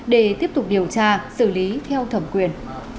để tiếp tục điều tra xử lý theo thẩm quyền